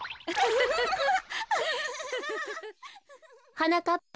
はなかっぱ。